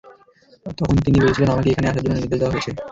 তখন তিনি বলছিলেনঃ আমাকে এখানেই আসার জন্য নির্দেশ দেয়া হয়েছে।